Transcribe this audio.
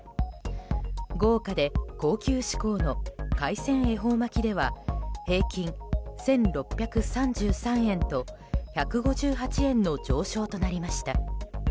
豪華で高級志向の海鮮恵方巻きでは平均１６３３円と１５８円の上昇となりました。